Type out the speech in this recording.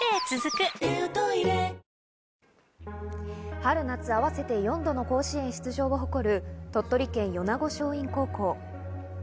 春夏合わせて４度の甲子園出場を誇る鳥取県米子松蔭高校。